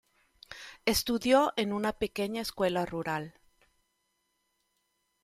Estudió en una pequeña escuela rural.